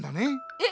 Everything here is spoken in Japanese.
えっ？